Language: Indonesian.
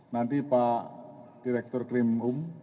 nanti pak direktur krim um